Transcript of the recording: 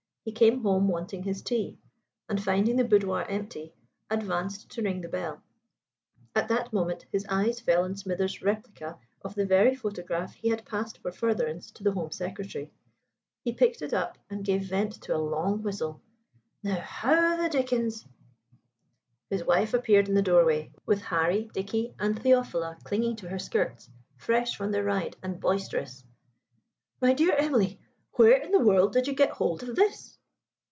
He came home wanting his tea; and, finding the boudoir empty, advanced to ring the bell. At that moment his eyes fell on Smithers' replica of the very photograph he had passed for furtherance to the Home Secretary. He picked it up and gave vent to a long whistle. "Now, how the dickens " His wife appeared in the doorway, with Harry, Dicky, and Theophila clinging to her skirts, fresh from their ride, and boisterous. "My dear Emily, where in the world did you get hold of this?"